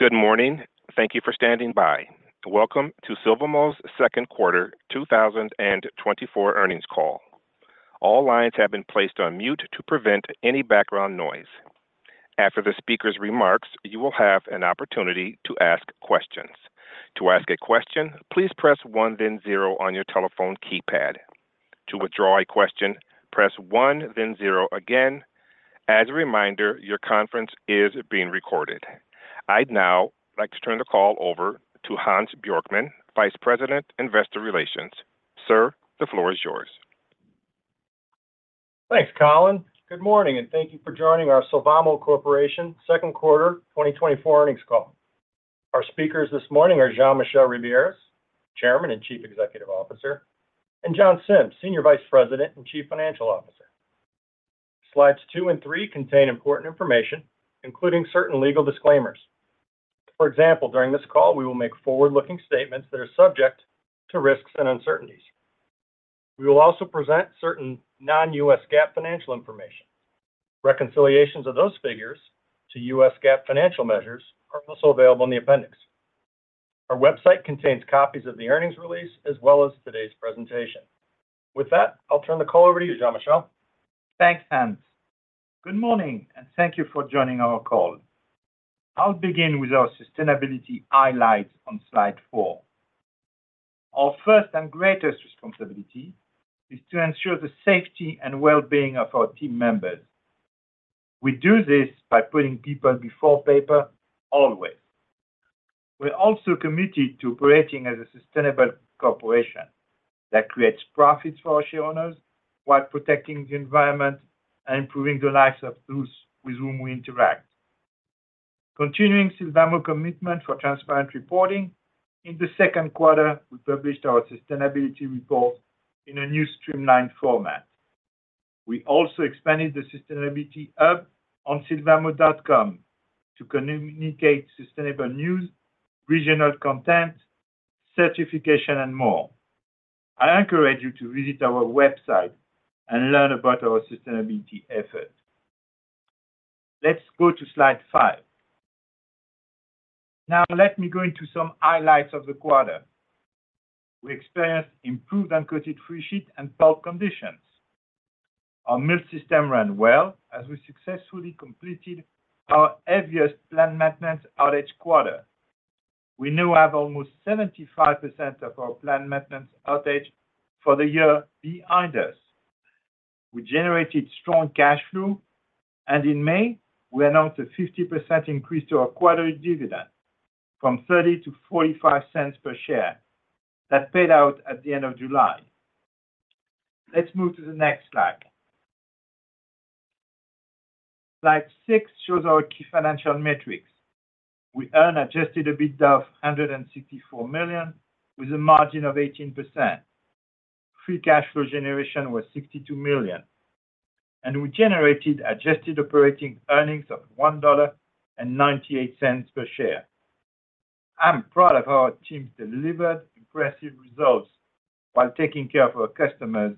Good morning. Thank you for standing by. Welcome to Sylvamo's Q2 2024 earnings call. All lines have been placed on mute to prevent any background noise. After the speaker's remarks, you will have an opportunity to ask questions. To ask a question, please press one, then zero on your telephone keypad. To withdraw a question, press one, then zero again. As a reminder, your conference is being recorded. I'd now like to turn the call over to Hans Björck, Vice President, Investor Relations. Sir, the floor is yours. Thanks, Colin. Good morning, and thank you for joining our Sylvamo Corporation second quarter 2024 earnings call. Our speakers this morning are Jean-Michel Ribiéras, Chairman and Chief Executive Officer, and John Sims, Senior Vice President and Chief Financial Officer. Slides 2 and 3 contain important information, including certain legal disclaimers. For example, during this call, we will make forward-looking statements that are subject to risks and uncertainties. We will also present certain non-GAAP financial information. Reconciliations of those figures to U.S. GAAP financial measures are also available in the appendix. Our website contains copies of the earnings release as well as today's presentation. With that, I'll turn the call over to you, Jean-Michel. Thanks, Hans. Good morning, and thank you for joining our call. I'll begin with our sustainability highlights on slide four. Our first and greatest responsibility is to ensure the safety and well-being of our team members. We do this by putting people before paper, always. We're also committed to operating as a sustainable corporation that creates profits for our shareholders while protecting the environment and improving the lives of those with whom we interact. Continuing Sylvamo's commitment to transparent reporting, in the second quarter, we published our sustainability report in a new streamlined format. We also expanded the sustainability hub on sylvamo.com to communicate sustainable news, regional content, certification, and more. I encourage you to visit our website and learn about our sustainability effort. Let's go to slide five. Now, let me go into some highlights of the quarter. We experienced improved uncoated freesheet and pulp conditions. Our mill system ran well as we successfully completed our heaviest plant maintenance outage quarter. We now have almost 75% of our plant maintenance outage for the year behind us. We generated strong cash flow, and in May, we announced a 50% increase to our quarterly dividend from $0.30 to $0.45 per share. That paid out at the end of July. Let's move to the next slide. Slide 6 shows our key financial metrics. We earned Adjusted EBITDA of $164 million, with a margin of 18%. Free cash flow generation was $62 million, and we generated adjusted operating earnings of $1.98 per share. I'm proud of how our teams delivered impressive results while taking care of our customers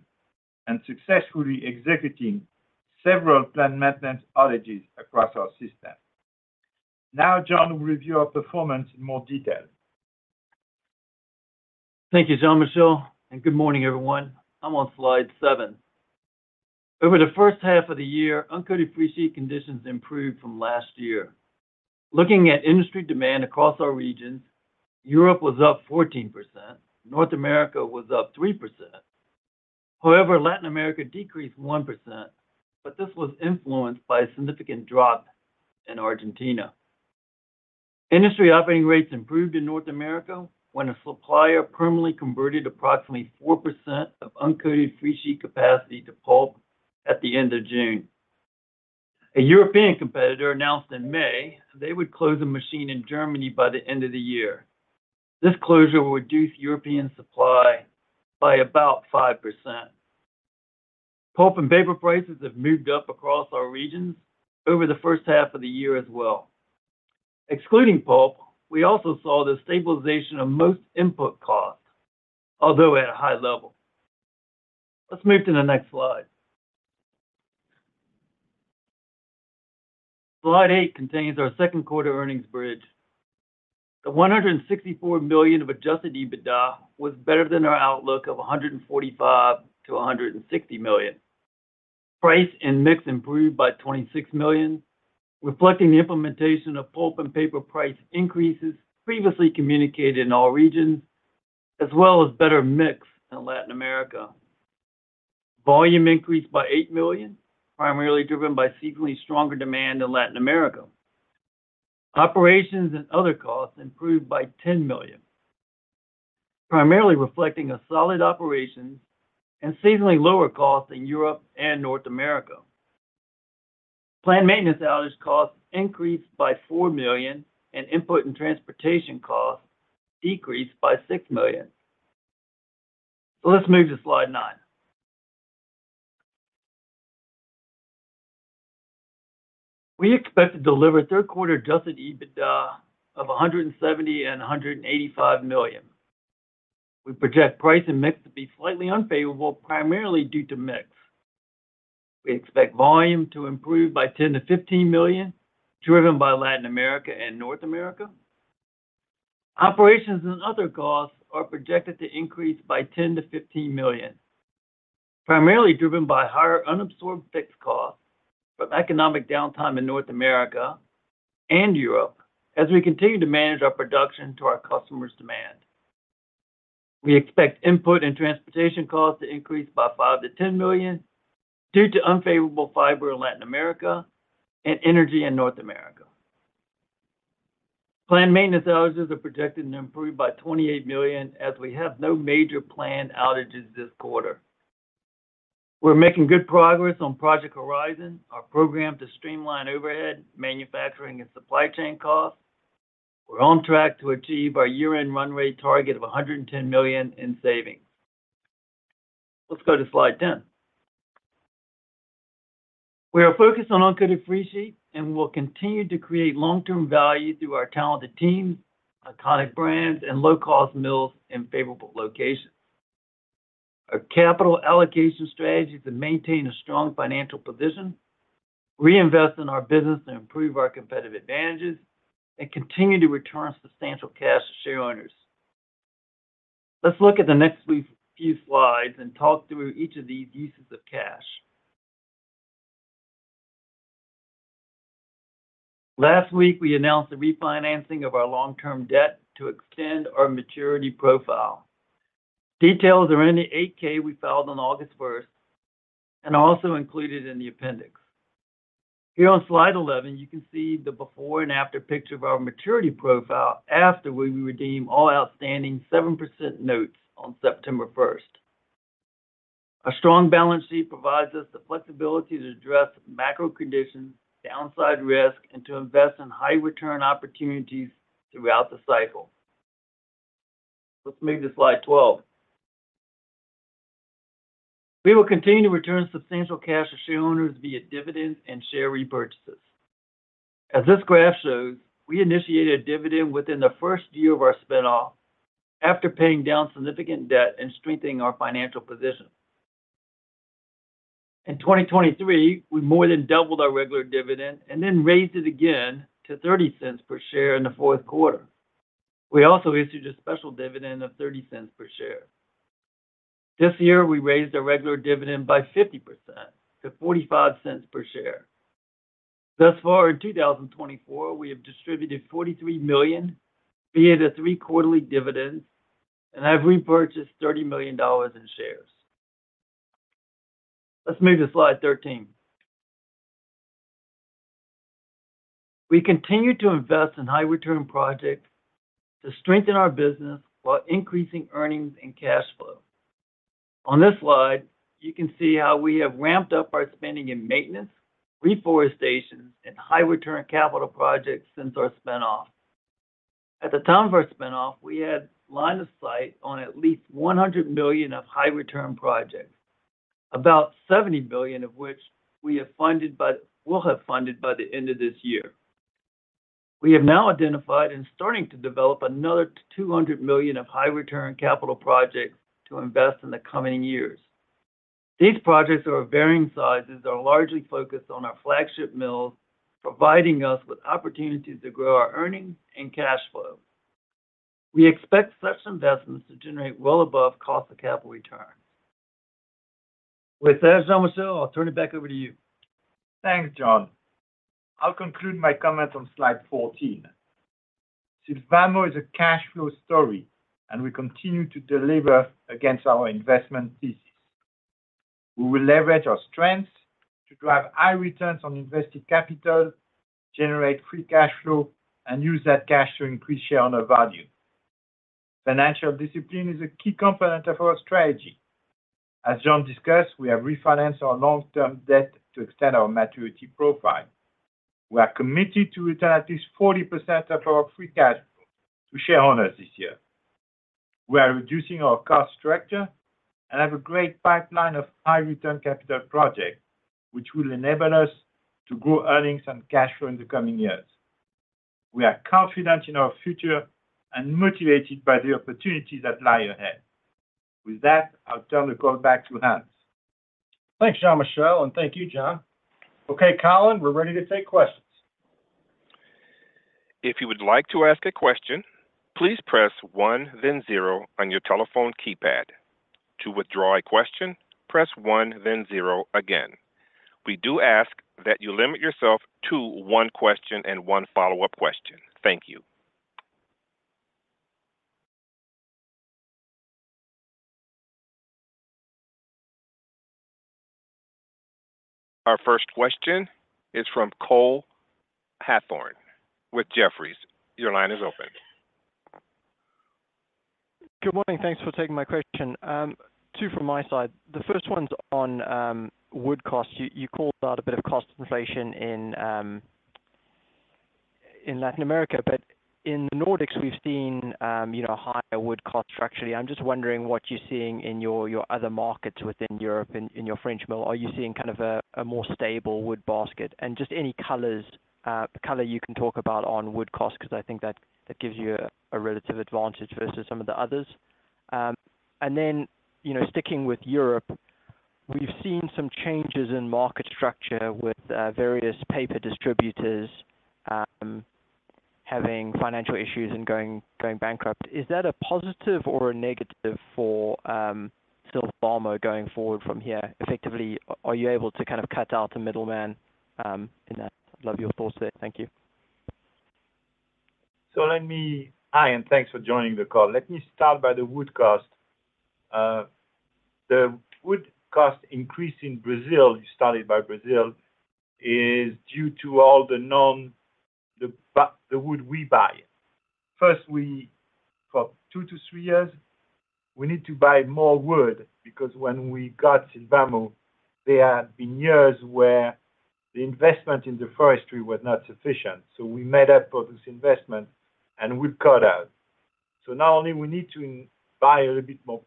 and successfully executing several plant maintenance outages across our system. Now, John will review our performance in more detail. Thank you, Jean-Michel, and good morning, everyone. I'm on slide 7. Over the first half of the year, uncoated freesheet conditions improved from last year. Looking at industry demand across our regions, Europe was up 14%, North America was up 3%. However, Latin America decreased 1%, but this was influenced by a significant drop in Argentina. Industry operating rates improved in North America when a supplier permanently converted approximately 4% of uncoated freesheet capacity to pulp at the end of June. A European competitor announced in May they would close a machine in Germany by the end of the year. This closure will reduce European supply by about 5%. Pulp and paper prices have moved up across our regions over the first half of the year as well. Excluding pulp, we also saw the stabilization of most input costs, although at a high level. Let's move to the next slide. Slide 8 contains our second quarter earnings bridge. The $164 million of adjusted EBITDA was better than our outlook of $145-$160 million. Price and mix improved by $26 million, reflecting the implementation of pulp and paper price increases previously communicated in all regions, as well as better mix in Latin America. Volume increased by $8 million, primarily driven by seasonally stronger demand in Latin America. Operations and other costs improved by $10 million, primarily reflecting a solid operation and seasonally lower costs in Europe and North America. Plant maintenance outage costs increased by $4 million, and input and transportation costs decreased by $6 million. Let's move to slide 9. We expect to deliver Q3 adjusted EBITDA of $170 million-$185 million. We project price and mix to be slightly unfavorable, primarily due to mix. We expect volume to improve by 10-15 million, driven by Latin America and North America. Operations and other costs are projected to increase by $10-$15 million, primarily driven by higher unabsorbed fixed costs from economic downtime in North America and Europe, as we continue to manage our production to our customers' demand. We expect input and transportation costs to increase by $5-$10 million due to unfavorable fiber in Latin America and energy in North America. Planned maintenance outages are projected to improve by $28 million, as we have no major planned outages this quarter. We're making good progress on Project Horizon, our program to streamline overhead, manufacturing, and supply chain costs. We're on track to achieve our year-end run rate target of $110 million in savings. Let's go to slide 10. We are focused on uncoated freesheet, and we'll continue to create long-term value through our talented teams, iconic brands, and low-cost mills in favorable locations. Our capital allocation strategy is to maintain a strong financial position, reinvest in our business, and improve our competitive advantages, and continue to return substantial cash to shareowners. Let's look at the next few slides and talk through each of these uses of cash. Last week, we announced the refinancing of our long-term debt to extend our maturity profile. Details are in the 8-K we filed on August 1, and also included in the appendix. Here on slide 11, you can see the before and after picture of our maturity profile after we redeem all outstanding 7% notes on September first. A strong balance sheet provides us the flexibility to address macro conditions, downside risk, and to invest in high return opportunities throughout the cycle. Let's move to slide 12. We will continue to return substantial cash to shareowners via dividends and share repurchases. As this graph shows, we initiated a dividend within the first year of our spin-off after paying down significant debt and strengthening our financial position. In 2023, we more than doubled our regular dividend and then raised it again to $0.30 per share in the fourth quarter. We also issued a special dividend of $0.30 per share. This year, we raised our regular dividend by 50% to $0.45 per share. Thus far, in 2024, we have distributed $43 million via the three quarterly dividends and have repurchased $30 million in shares. Let's move to slide 13. We continue to invest in high-return projects to strengthen our business while increasing earnings and cash flow. On this slide, you can see how we have ramped up our spending in maintenance, reforestation, and high-return capital projects since our spin-off. At the time of our spin-off, we had line of sight on at least $100 million of high-return projects, about $70 million of which we'll have funded by the end of this year. We have now identified and starting to develop another $200 million of high-return capital projects to invest in the coming years. These projects are of varying sizes, are largely focused on our flagship mills, providing us with opportunities to grow our earnings and cash flow. We expect such investments to generate well above cost of capital return. With that, Jean-Michel, I'll turn it back over to you. Thanks, John. I'll conclude my comments on slide 14. Sylvamo is a cash flow story, and we continue to deliver against our investment thesis. We will leverage our strengths to drive high returns on invested capital, generate free cash flow, and use that cash to increase shareowner value. Financial discipline is a key component of our strategy. As John discussed, we have refinanced our long-term debt to extend our maturity profile. We are committed to return at least 40% of our free cash flow to shareowners this year. We are reducing our cost structure and have a great pipeline of high-return capital projects, which will enable us to grow earnings and cash flow in the coming years. We are confident in our future and motivated by the opportunities that lie ahead. With that, I'll turn the call back to Hans. Thanks, Jean-Michel, and thank you, John. Okay, Colin, we're ready to take questions. If you would like to ask a question, please press one, then zero on your telephone keypad. To withdraw a question, press one, then zero again. We do ask that you limit yourself to one question and one follow-up question. Thank you. Our first question is from Cole Hathorn with Jefferies. Your line is open. Good morning. Thanks for taking my question. Two from my side. The first one's on wood costs. You called out a bit of cost inflation in Latin America, but in the Nordics, we've seen you know, higher wood costs structurally. I'm just wondering what you're seeing in your other markets within Europe and in your French mill. Are you seeing kind of a more stable wood basket? And just any colors, color you can talk about on wood costs, because I think that that gives you a relative advantage versus some of the others. And then, you know, sticking with Europe, we've seen some changes in market structure with various paper distributors having financial issues and going bankrupt. Is that a positive or a negative for Sylvamo going forward from here? Effectively, are you able to kind of cut out the middleman, in that? I'd love your thoughts there. Thank you. Hi, and thanks for joining the call. Let me start by the wood cost. The wood cost increase in Brazil, you started by Brazil, is due to all the wood we buy. First, for two to three years, we need to buy more wood because when we got Sylvamo, there had been years where the investment in the forestry was not sufficient, so we made up for this investment and wood cut out. So not only we need to buy a little bit more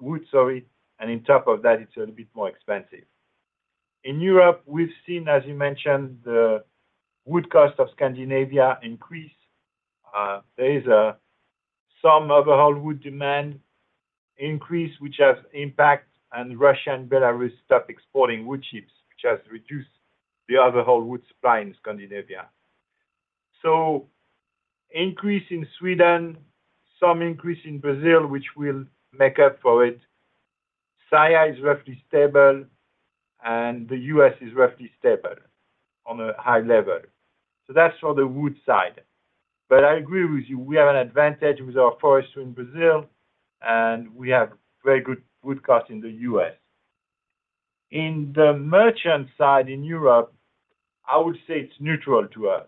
wood, sorry, and on top of that, it's a little bit more expensive. In Europe, we've seen, as you mentioned, the wood cost of Scandinavia increase. There is some overall wood demand increase, which has impact, and Russia and Belarus stopped exporting wood chips, which has reduced the overall wood supply in Scandinavia. So increase in Sweden, some increase in Brazil, which will make up for it. Saillat is roughly stable, and the U.S. is roughly stable on a high level. So that's for the wood side. But I agree with you, we have an advantage with our forestry in Brazil, and we have very good wood cost in the U.S. In the merchant side, in Europe, I would say it's neutral to us.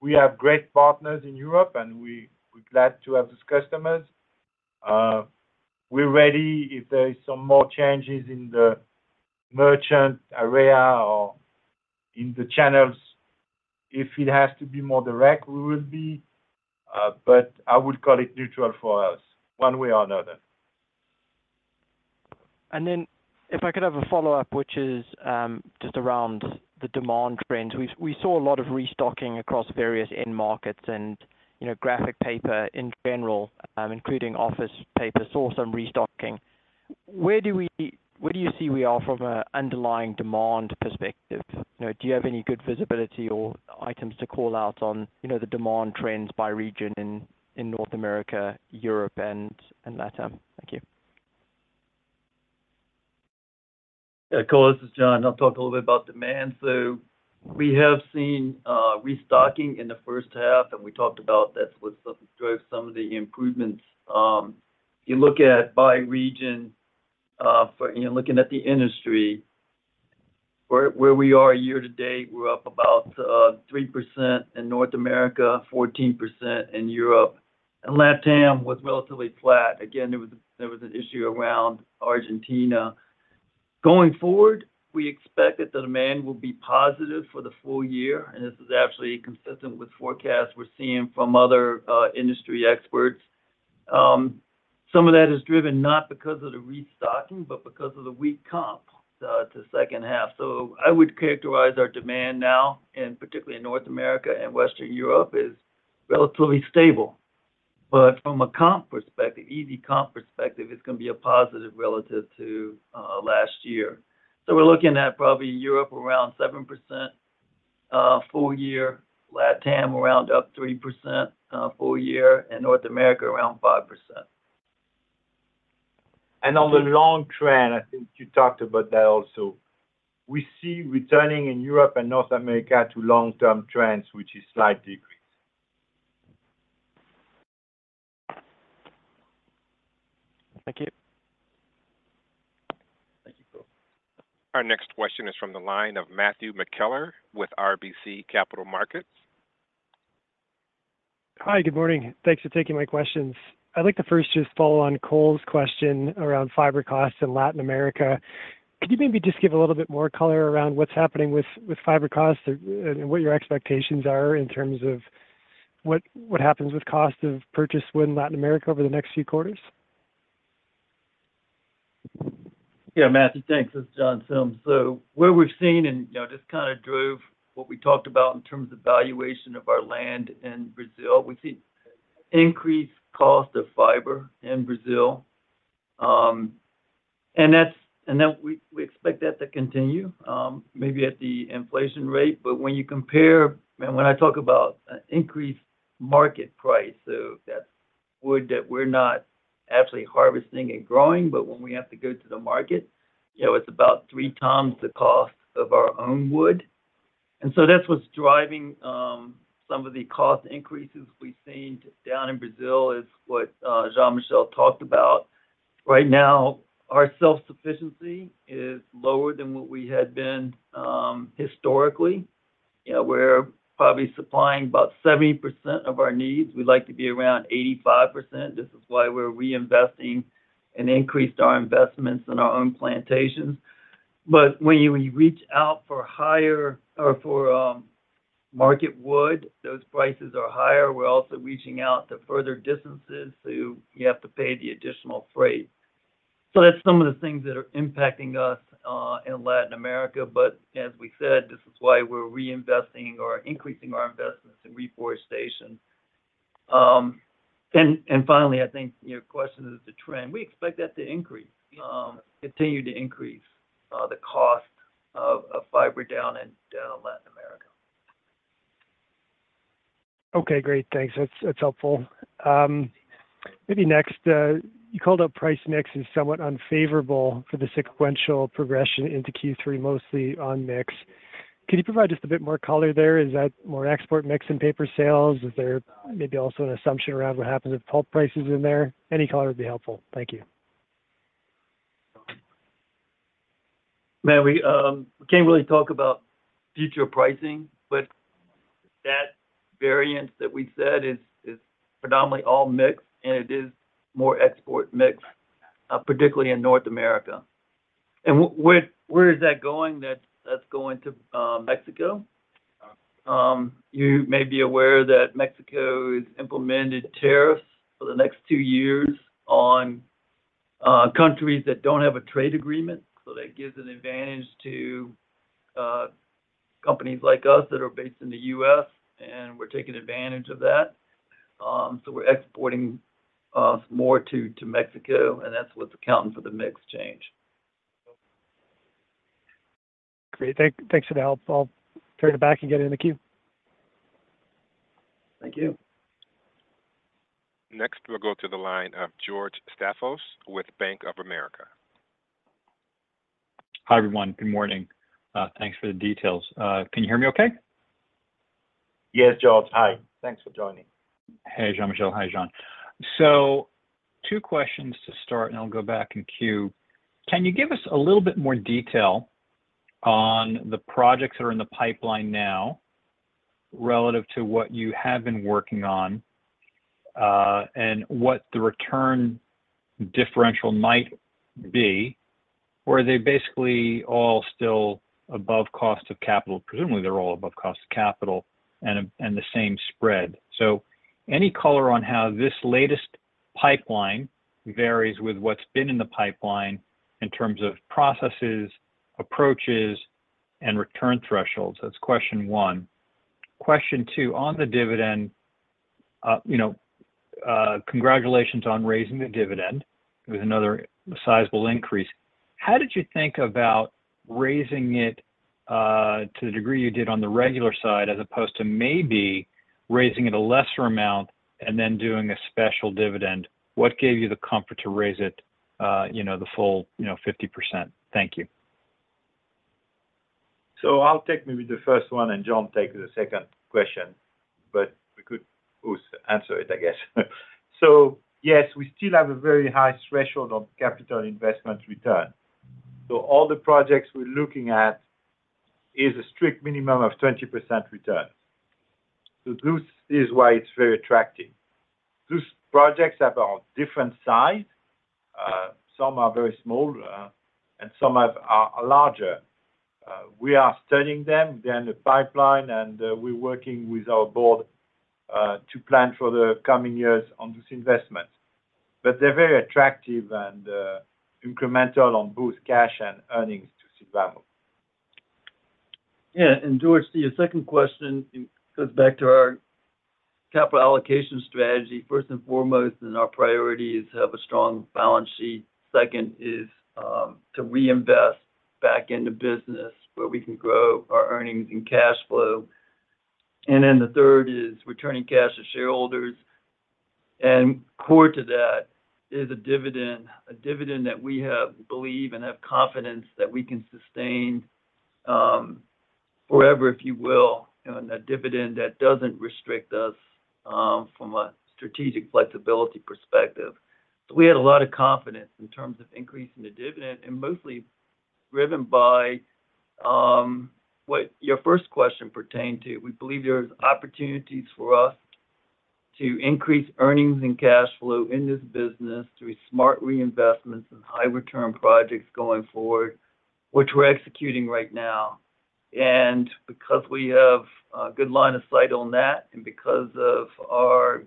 We have great partners in Europe, and we're glad to have these customers. We're ready if there is some more changes in the merchant area or in the channels. If it has to be more direct, we will be, but I would call it neutral for us, one way or another. Then if I could have a follow-up, which is just around the demand trends. We saw a lot of restocking across various end markets and, you know, graphic paper in general, including office paper, saw some restocking. Where do you see we are from an underlying demand perspective? You know, do you have any good visibility or items to call out on, you know, the demand trends by region in North America, Europe, and LATAM? Thank you. Yeah, Cole, this is John. I'll talk a little bit about demand. So we have seen restocking in the first half, and we talked about that's what's drove some of the improvements. You look at by region, for, you know, looking at the industry, where we are year to date, we're up about 3% in North America, 14% in Europe, and LATAM was relatively flat. Again, there was an issue around Argentina. Going forward, we expect that the demand will be positive for the full year, and this is actually consistent with forecasts we're seeing from other industry experts. Some of that is driven not because of the restocking, but because of the weak comp to second half. So I would characterize our demand now, and particularly in North America and Western Europe, is relatively stable. But from a comp perspective, easy comp perspective, it's gonna be a positive relative to last year. So we're looking at probably Europe around 7%, full year, LATAM around up 3%, full year, and North America around 5%. On the long trend, I think you talked about that also. We see returning in Europe and North America to long-term trends, which is slight decrease. Thank you. Thank you, Cole. Our next question is from the line of Matthew McKellar with RBC Capital Markets. Hi, good morning. Thanks for taking my questions. I'd like to first just follow on Cole's question around fiber costs in Latin America. Could you maybe just give a little bit more color around what's happening with, with fiber costs and, and what your expectations are in terms of what, what happens with cost of purchase wood in Latin America over the next few quarters? Yeah, Matthew, thanks. This is John Sims. So what we've seen, and, you know, just kind of drove what we talked about in terms of valuation of our land in Brazil, we've seen increased cost of fiber in Brazil. And that we, we expect that to continue, maybe at the inflation rate. But when you compare. When I talk about an increased market price, so that's wood that we're not actually harvesting and growing, but when we have to go to the market, you know, it's about 3 times the cost of our own wood. And so that's what's driving, some of the cost increases we've seen down in Brazil, is what Jean-Michel talked about. Right now, our self-sufficiency is lower than what we had been, historically. You know, we're probably supplying about 70% of our needs. We'd like to be around 85%. This is why we're reinvesting and increased our investments in our own plantations. But when you reach out for higher or for, market wood, those prices are higher. We're also reaching out to further distances, so you have to pay the additional freight.... So that's some of the things that are impacting us, in Latin America. But as we said, this is why we're reinvesting or increasing our investments in reforestation. And, and finally, I think your question is the trend. We expect that to increase, continue to increase, the cost of, of fiber down in, down in Latin America. Okay, great. Thanks. That's, that's helpful. Maybe next, you called out price mix as somewhat unfavorable for the sequential progression into Q3, mostly on mix. Can you provide just a bit more color there? Is that more export mix in paper sales? Is there maybe also an assumption around what happens with pulp prices in there? Any color would be helpful. Thank you. Matt, we can't really talk about future pricing, but that variance that we said is predominantly all mix, and it is more export mix, particularly in North America. And where is that going? That's going to Mexico. You may be aware that Mexico has implemented tariffs for the next two years on countries that don't have a trade agreement, so that gives an advantage to companies like us that are based in the U.S., and we're taking advantage of that. So we're exporting more to Mexico, and that's what's accounting for the mix change. Great. Thanks for the help. I'll turn it back and get in the queue. Thank you. Next, we'll go to the line of George Staphos with Bank of America. Hi, everyone. Good morning. Thanks for the details. Can you hear me okay? Yes, George. Hi. Thanks for joining. Hey, Jean-Michel. Hi, John. So two questions to start, and I'll go back in queue. Can you give us a little bit more detail on the projects that are in the pipeline now relative to what you have been working on, and what the return differential might be? Or are they basically all still above cost of capital? Presumably, they're all above cost of capital and the same spread. So any color on how this latest pipeline varies with what's been in the pipeline in terms of processes, approaches, and return thresholds? That's question one. Question two, on the dividend, you know, congratulations on raising the dividend. It was another sizable increase. How did you think about raising it, to the degree you did on the regular side, as opposed to maybe raising it a lesser amount and then doing a special dividend? What gave you the comfort to raise it, you know, the full, you know, 50%? Thank you. So I'll take maybe the first one, and John take the second question, but we could both answer it, I guess. So yes, we still have a very high threshold on capital investment return. So all the projects we're looking at is a strict minimum of 20% return. So this is why it's very attractive. These projects are of different size. Some are very small, and some are larger. We are studying them. They're in the pipeline, and we're working with our board to plan for the coming years on this investment. But they're very attractive and incremental on both cash and earnings to Sylvamo. Yeah, and George, the second question goes back to our capital allocation strategy. First and foremost, our priority is to have a strong balance sheet. Second is to reinvest back into business, where we can grow our earnings and cash flow. And then the third is returning cash to shareholders. And core to that is a dividend, a dividend that we believe and have confidence that we can sustain, forever, if you will. You know, and a dividend that doesn't restrict us from a strategic flexibility perspective. So we had a lot of confidence in terms of increasing the dividend, and mostly driven by what your first question pertained to. We believe there are opportunities for us to increase earnings and cash flow in this business through smart reinvestments and high return projects going forward, which we're executing right now. Because we have a good line of sight on that, and because of our,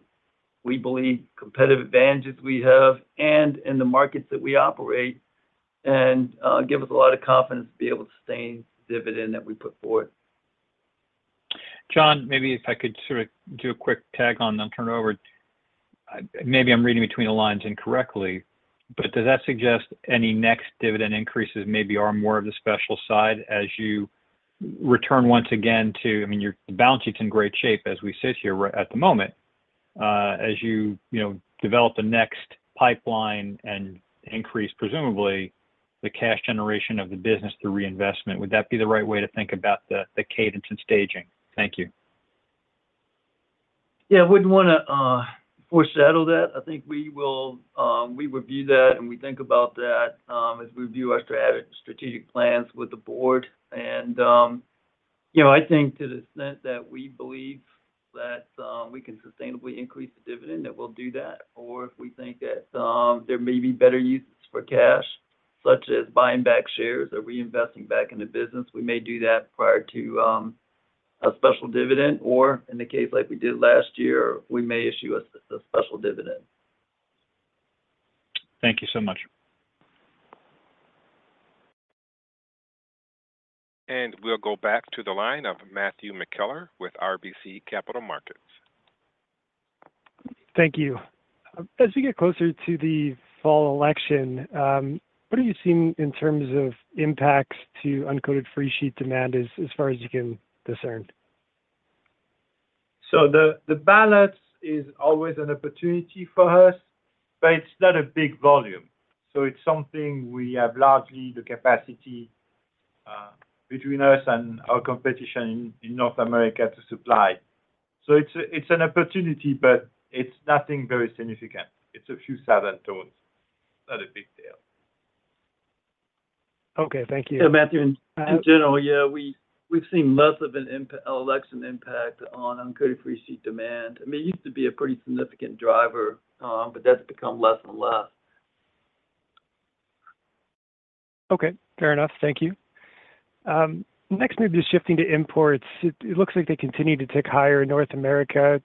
we believe, competitive advantages we have, and in the markets that we operate, and give us a lot of confidence to be able to sustain dividend that we put forward. John, maybe if I could sort of do a quick tag on, then turn it over. Maybe I'm reading between the lines incorrectly, but does that suggest any next dividend increases maybe are more of the special side as you return once again to—I mean, your balance sheet's in great shape as we sit here right at the moment. As you, you know, develop the next pipeline and increase, presumably, the cash generation of the business through reinvestment, would that be the right way to think about the, the cadence and staging? Thank you. Yeah. I wouldn't wanna, uh, foreshadow that. I think we will—we review that, and we think about that, as we view our strategic plans with the board. And, you know, I think to the extent that we believe that we can sustainably increase the dividend, that we'll do that, or if we think that there may be better uses for cash, such as buying back shares or reinvesting back in the business, we may do that prior to a special dividend, or in a case like we did last year, we may issue a special dividend. Thank you so much. We'll go back to the line of Matthew McKellar with RBC Capital Markets. Thank you. As we get closer to the fall election, what are you seeing in terms of impacts to uncoated free sheet demand as far as you can discern? So the ballots is always an opportunity for us, but it's not a big volume, so it's something we have largely the capacity between us and our competition in North America to supply. So it's an opportunity, but it's nothing very significant. It's a few thousand tons, not a big deal. Okay, thank you. Yeah, Matthew, in general, yeah, we've seen less of an impact, an election impact on uncoated freesheet demand. I mean, it used to be a pretty significant driver, but that's become less and less. Okay, fair enough. Thank you. Next, maybe just shifting to imports. It looks like they continue to tick higher in North America.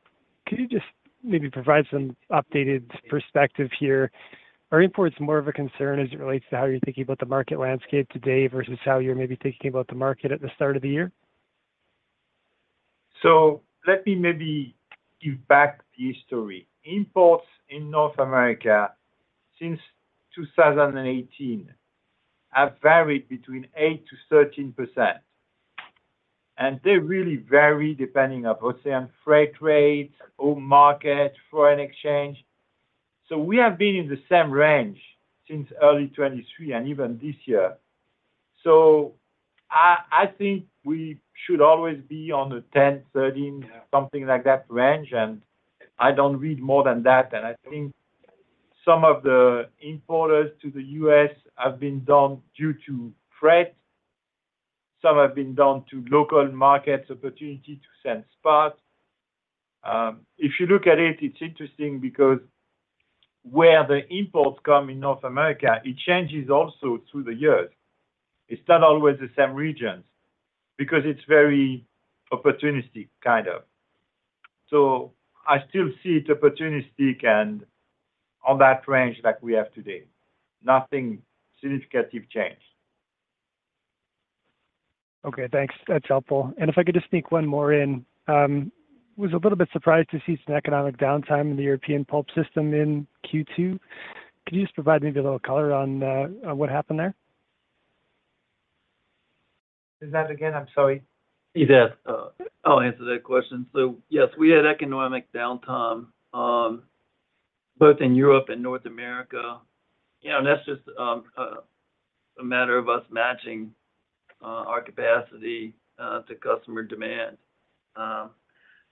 Could you just maybe provide some updated perspective here? Are imports more of a concern as it relates to how you're thinking about the market landscape today versus how you're maybe thinking about the market at the start of the year? So let me maybe give back the history. Imports in North America since 2018 have varied between 8%-13%, and they really vary depending on ocean freight rates or market foreign exchange. So we have been in the same range since early 2023 and even this year. So I, I think we should always be on the 10-13, something like that range, and I don't read more than that. And I think some of the importers to the U.S. have been down due to freight. Some have been down to local markets, opportunity to send spots. If you look at it, it's interesting because where the imports come in North America, it changes also through the years. It's not always the same regions, because it's very opportunistic, kind. I still see it opportunistic and on that range that we have today, nothing significant change. Okay, thanks. That's helpful. And if I could just sneak one more in, was a little bit surprised to see some economic downtime in the European pulp system in Q2. Could you just provide maybe a little color on, on what happened there? Say that again? I'm sorry. Yeah. I'll answer that question. So yes, we had economic downtime both in Europe and North America, and that's just a matter of us matching our capacity to customer demand.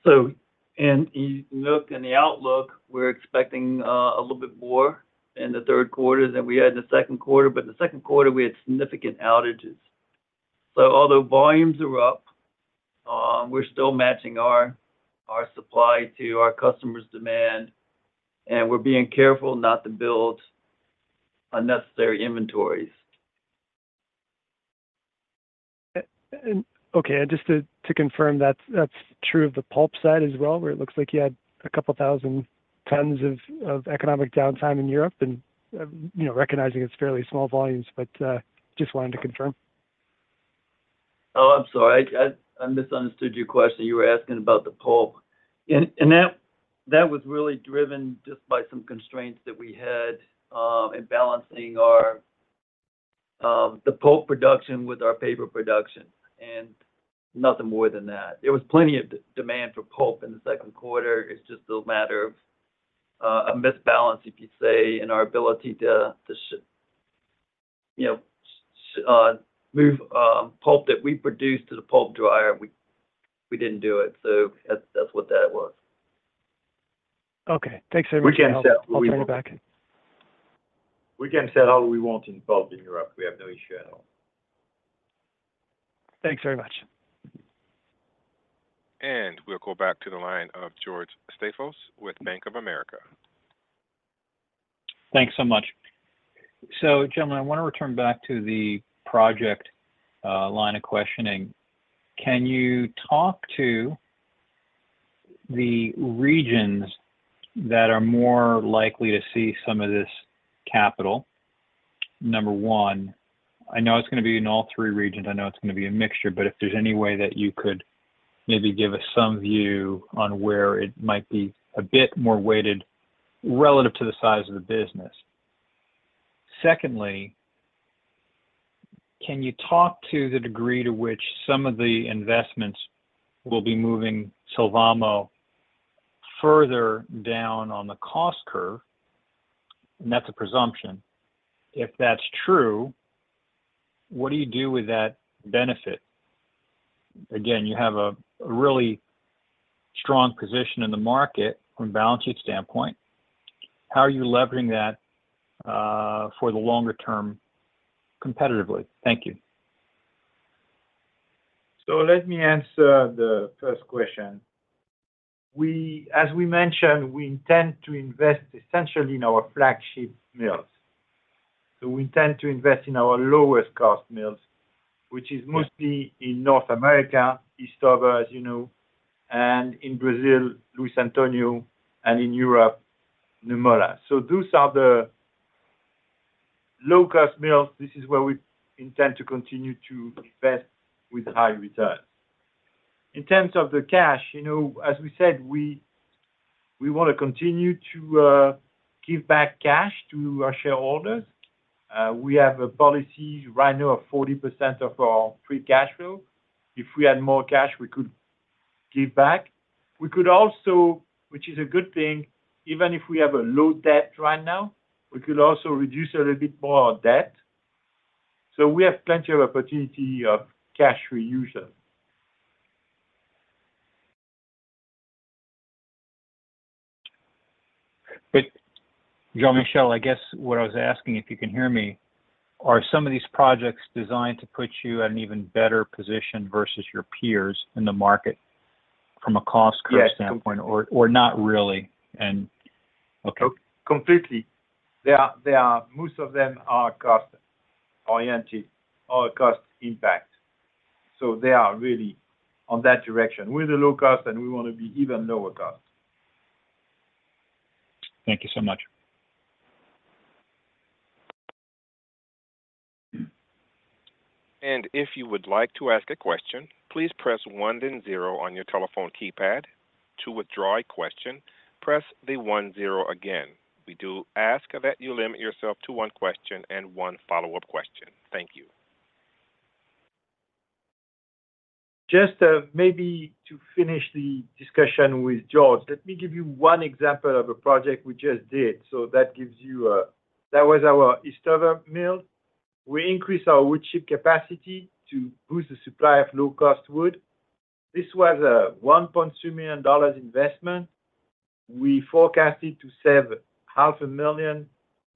So and you look in the outlook, we're expecting a little bit more in the third quarter than we had in the second quarter, but the second quarter, we had significant outages. So although volumes are up, we're still matching our supply to our customers' demand, and we're being careful not to build unnecessary inventories. And okay, and just to confirm, that's true of the pulp side as well, where it looks like you had 2,000 tons of economic downtime in Europe and, you know, recognizing it's fairly small volumes, but just wanted to confirm. Oh, I'm sorry. I misunderstood your question. You were asking about the pulp. And that was really driven just by some constraints that we had in balancing our the pulp production with our paper production, and nothing more than that. There was plenty of demand for pulp in the second quarter. It's just a matter of a misbalance, if you say, in our ability to you know move pulp that we produced to the pulp dryer. We didn't do it, so that's what that was. Okay. Thanks very much- We can sell all we want- I'll bring it back. We can sell all we want in pulp in Europe. We have no issue at all. Thanks very much. We'll go back to the line of George Staphos with Bank of America. Thanks so much. So, gentlemen, I wanna return back to the project line of questioning. Can you talk to the regions that are more likely to see some of this capital? Number one, I know it's gonna be in all three regions. I know it's gonna be a mixture, but if there's any way that you could maybe give us some view on where it might be a bit more weighted relative to the size of the business. Secondly, can you talk to the degree to which some of the investments will be moving Sylvamo further down on the cost curve? And that's a presumption. If that's true, what do you do with that benefit? Again, you have a really strong position in the market from a balance sheet standpoint. How are you leveraging that for the longer term competitively? Thank you. So let me answer the first question. We—as we mentioned, we intend to invest essentially in our flagship mills.... So we intend to invest in our lowest cost mills, which is mostly in North America, Eastover, as you know, and in Brazil, Luiz Antônio, and in Europe, Nymölla. So those are the low-cost mills. This is where we intend to continue to invest with high returns. In terms of the cash, you know, as we said, we want to continue to give back cash to our shareholders. We have a policy right now of 40% of our free cash flow. If we had more cash, we could give back. We could also, which is a good thing, even if we have a low debt right now, we could also reduce a little bit more our debt. So we have plenty of opportunity of cash reuse. Jean-Michel, I guess what I was asking, if you can hear me, are some of these projects designed to put you at an even better position versus your peers in the market from a cost curve standpoint? Yes. Or not really? And... Okay. Completely. They are, most of them are cost-oriented or cost impact, so they are really on that direction. We're the low cost, and we want to be even lower cost. Thank you so much. And if you would like to ask a question, please press one then zero on your telephone keypad. To withdraw a question, press the one zero again. We do ask that you limit yourself to one question and one follow-up question. Thank you. Just, maybe to finish the discussion with George, let me give you one example of a project we just did. That was our Eastover mill. We increased our wood chip capacity to boost the supply of low-cost wood. This was a $1.2 million investment. We forecasted to save $500,000,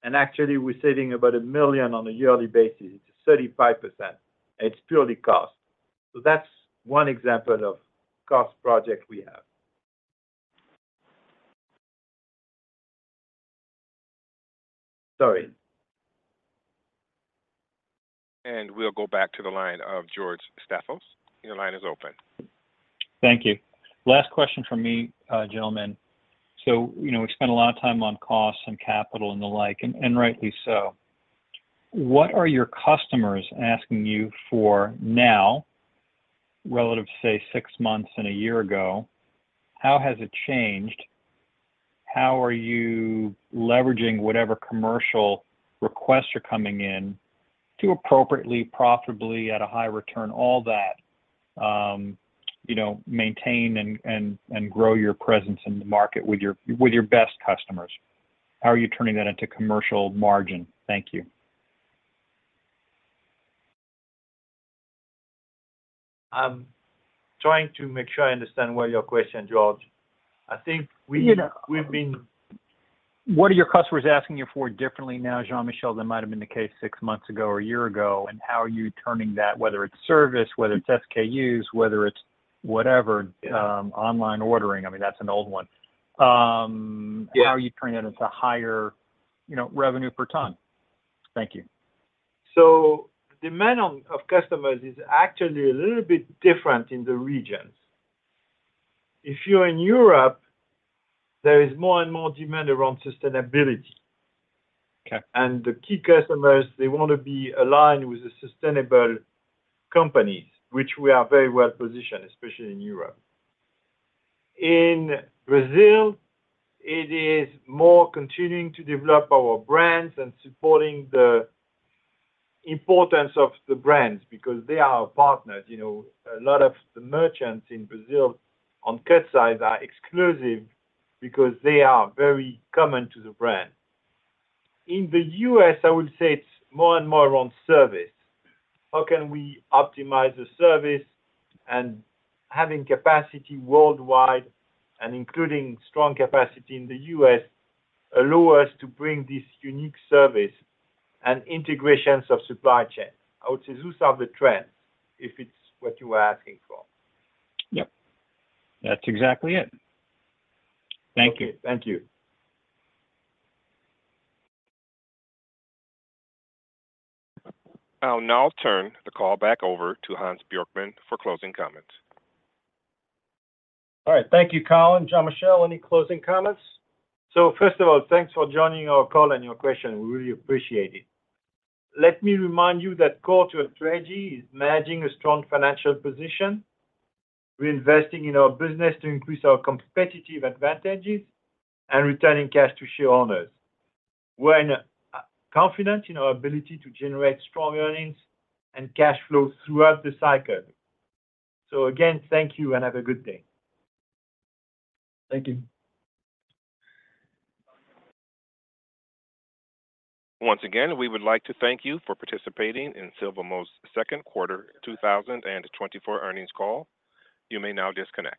and actually, we're saving about $1 million on a yearly basis. It's 35%, it's purely cost. So that's one example of cost project we have. Sorry. And we'll go back to the line of George Staphos. Your line is open. Thank you. Last question from me, gentlemen. So, you know, we've spent a lot of time on cost and capital and the like, and rightly so. What are your customers asking you for now, relative to, say, six months and a year ago? How has it changed? How are you leveraging whatever commercial requests are coming in to appropriately, profitably, at a high return, all that, you know, maintain and grow your presence in the market with your best customers? How are you turning that into commercial margin? Thank you. I'm trying to make sure I understand well your question, George. I think we- Yeah. We've been- What are your customers asking you for differently now, Jean-Michel, than might have been the case six months ago or a year ago? And how are you turning that, whether it's service, whether it's SKUs, whether it's whatever, online ordering, I mean, that's an old one. Yeah. How are you turning it into higher, you know, revenue per ton? Thank you. Demand of customers is actually a little bit different in the regions. If you're in Europe, there is more and more demand around sustainability. Okay. The key customers, they want to be aligned with the sustainable companies, which we are very well positioned, especially in Europe. In Brazil, it is more continuing to develop our brands and supporting the importance of the brands because they are our partners. You know, a lot of the merchants in Brazil on cut size are exclusive because they are very common to the brand. In the U.S., I would say it's more and more on service. How can we optimize the service? And having capacity worldwide, and including strong capacity in the US, allow us to bring this unique service and integrations of supply chain. I would say those are the trends, if it's what you are asking for. Yep, that's exactly it. Thank you. Okay. Thank you. I'll now turn the call back over to Hans Björck for closing comments. All right. Thank you, Colin. Jean-Michel, any closing comments? First of all, thanks for joining our call and your question. We really appreciate it. Let me remind you that core to our strategy is managing a strong financial position, reinvesting in our business to increase our competitive advantages, and returning cash to shareholders. We're confident in our ability to generate strong earnings and cash flows throughout the cycle. Again, thank you and have a good day. Thank you. Once again, we would like to thank you for participating in Sylvamo's second quarter 2024 earnings call. You may now disconnect.